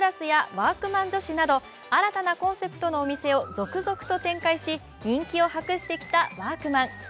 ワークマン女子など新たなコンセプトのお店を続々展開し、人気を博してきたワークマン。